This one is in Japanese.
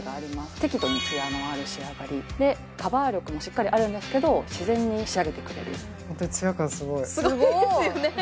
適度にツヤのある仕上がりでカバー力もしっかりあるんですけど自然に仕上げてくれるホントにツヤ感すごいすごいすごいですよね